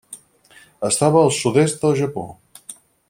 Es troba al sud-est del Japó.